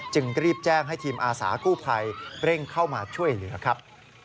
รีบแจ้งให้ทีมอาสากู้ภัยเร่งเข้ามาช่วยเหลือครับ